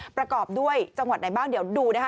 ประกอบด้วยจังหวัดไหนบ้างเดี๋ยวดูนะคะ